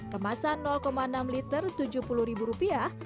kemasan enam liter tujuh puluh ribu rupiah